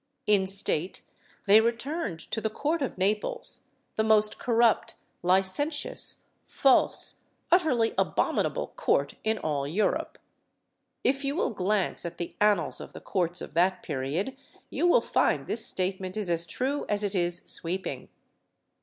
In state they returned to the court of Naples the most corrupt, licentious, false, utterly abominable court in ail Europe. If you will glance at the annals of the courts of that period you will find this statement is as true as it is sweeping.